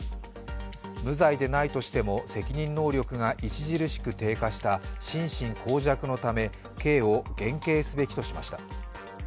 無罪でないとしても、責任能力が著しく低下した心神耗弱のため、刑を減軽すべきとしました。